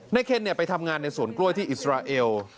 เคนไปทำงานในสวนกล้วยที่อิสราเอล